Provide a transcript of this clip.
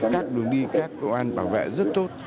các đường đi các công an bảo vệ rất tốt